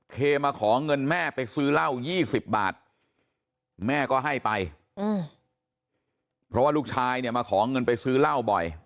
เคมาขอเงินแม่ไปซื้อเหล้า๒๐บาทแม่ก็ให้ไปเพราะว่าลูกชายเนี่ยมาขอเงินไปซื้อเหล้าบ่อย